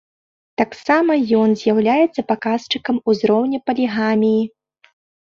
Таксама ён з'яўляецца паказчыкам узроўня палігаміі.